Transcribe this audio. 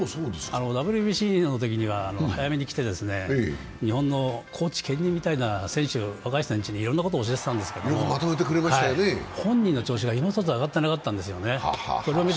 ＷＢＣのときには早めに来て、日本のコーチ兼任みたいな、選手、若い人たちにいろいろなこと教えてたんですけども、本人の調子がいま一つ、上がってなかったんですよね。